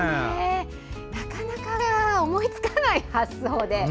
なかなか思いつかない発想で。